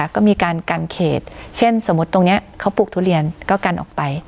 ก็มีการกันเขตเช่นสมมุติตรงนี้เขาปลูกทุเรียนก็กันออกไป